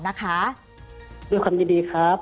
ด้วยความยินดีครับ